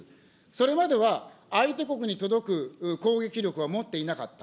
それまでは相手国に届く攻撃力は持っていなかった。